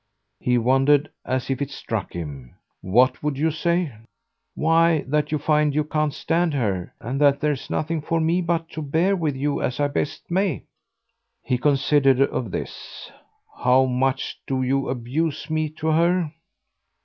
He wondered as if it struck him. "What would you say?" "Why that you find you can't stand her, and that there's nothing for me but to bear with you as I best may." He considered of this. "How much do you abuse me to her?"